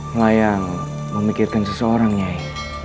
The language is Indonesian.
melayang memikirkan seseorang nyai